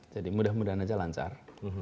jadi mudah mudahan saja lancar